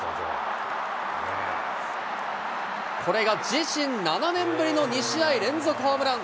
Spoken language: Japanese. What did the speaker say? これが自身７年ぶりの２試合連続ホームラン。